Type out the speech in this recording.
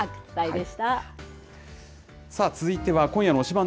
さあ、続いては、今夜の推しバン！